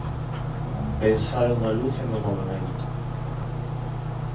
Pensaron na luz e no movemento.